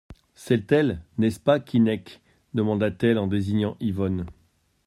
C'est-elle, n'est-ce pas, Keinec ? demanda-t-il en désignant Yvonne.